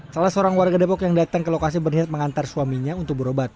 salah seorang warga depok yang datang ke lokasi berniat mengantar suaminya untuk berobat